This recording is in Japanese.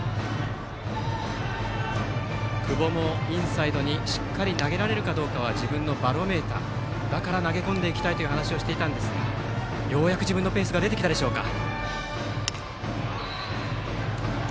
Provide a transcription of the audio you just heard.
久保も、インサイドにしっかり投げられるかどうかは自分のバロメーターだから投げ込んでいきたいという話をしていたんですがようやく自分のペースが出てきたでしょうか。